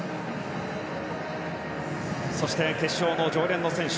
そして決勝の常連の選手。